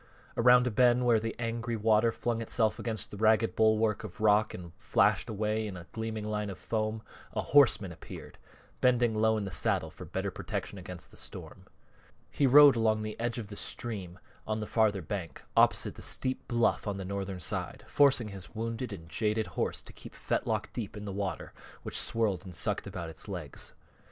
Around a bend where the angry water flung itself against the ragged bulwark of rock and flashed away in a gleaming line of foam, a horseman appeared, bending low in the saddle for better protection against the storm. He rode along the edge of the stream on the farther bank, opposite the steep bluff on the northern side, forcing his wounded and jaded horse to keep fetlock deep in the water which swirled and sucked about its legs.